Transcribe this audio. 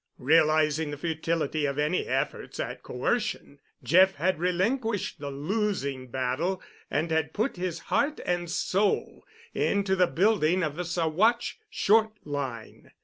Realizing the futility of any efforts at coercion, Jeff had relinquished the losing battle and had put his heart and soul into the building of the Saguache Short Line.